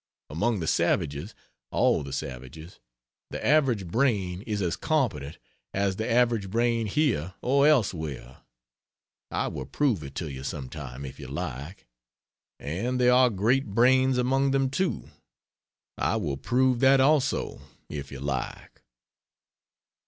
Among the savages all the savages the average brain is as competent as the average brain here or elsewhere. I will prove it to you, some time, if you like. And there are great brains among them, too. I will prove that also, if you like.